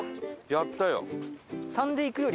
やったよ。